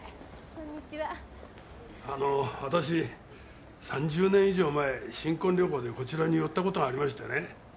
あの私３０年以上前新婚旅行でこちらに寄った事がありましてね。